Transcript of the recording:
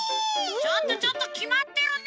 ちょっとちょっときまってるね！